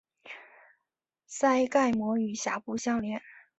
腮盖膜与峡部相连。